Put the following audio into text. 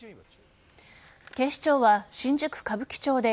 警視庁は新宿・歌舞伎町で